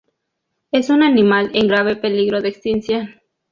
Es un animal en grave peligro de extinción.